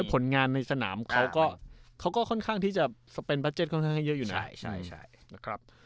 ผลงานในสนามเขาก็ค่อนข้างที่จะมุยเผียบใหญ่ก็ค่อนข้างเยอะอยู่นะ